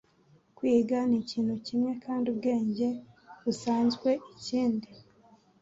Kwiga nikintu kimwe, kandi ubwenge busanzwe ikindi.